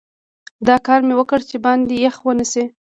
دا کار مې وکړ چې باندې یخ ونه شي.